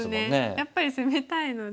やっぱり攻めたいので。